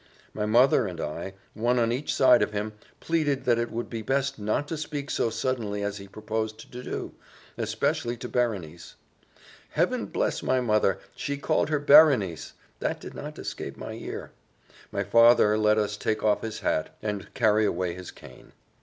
My mother and I, one on each side of him, pleaded that it would be best not to speak so suddenly as he proposed to do, especially to Berenice. Heaven bless my mother! she called her Berenice: this did not escape my ear. My father let us take off his hat, and carry away his cane.